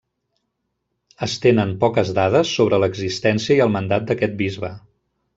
Es tenen poques dades sobre l'existència i el mandat d'aquest bisbe.